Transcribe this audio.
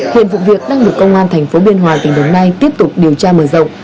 hiện vụ việc đang được công an tp biên hòa tỉnh đồng nai tiếp tục điều tra mở rộng